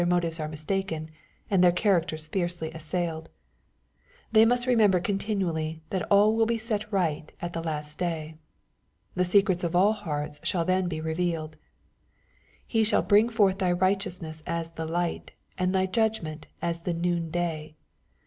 103 motives are mistaken, and their characters fiercely assailed . They must remember continually that all will be set right at the last day. The secrets of all hearts shall then be revealed. ^^ He shall bring forth thy right eousness as the light, and thy judgment as the noon day.''